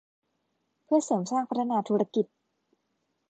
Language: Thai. เพื่อเสริมสร้างพัฒนาธุรกิจ